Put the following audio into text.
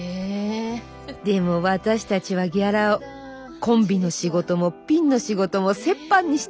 でも私たちはギャラをコンビの仕事もピンの仕事も折半にしているのです。